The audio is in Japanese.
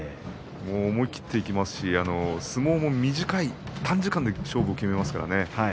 思い切っていきますし相撲も短い短時間で勝負を決めますからね。